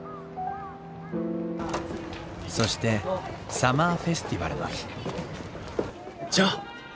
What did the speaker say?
そしてサマーフェスティバルの日ジョー！